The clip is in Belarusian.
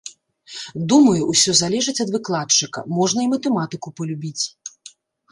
Думаю, усё залежыць ад выкладчыка, можна і матэматыку палюбіць.